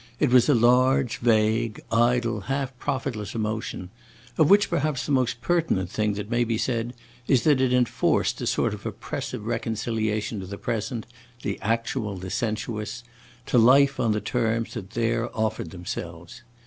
It was a large, vague, idle, half profitless emotion, of which perhaps the most pertinent thing that may be said is that it enforced a sort of oppressive reconciliation to the present, the actual, the sensuous to life on the terms that there offered themselves.